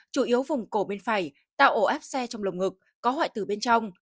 chủ yếu vùng cổ bên phải tạo ổ áp xe trong lồng ngực có hoại tử bên trong